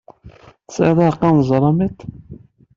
Tesɛiḍ aɛeqqa n zzalamiṭ?